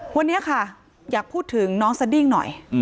วันนี้ค่ะอยากพูดถึงน้องสดิ้งหน่อย